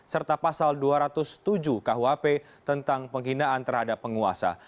serta pasal dua ratus tujuh kuhp tentang penghinaan terhadap penguasa